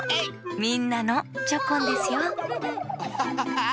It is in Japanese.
みんなのチョコンですよアハハハー！